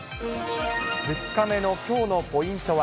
２日目のきょうのポイントは。